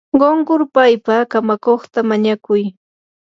qunqurpaypa kamakuqta mañakuy.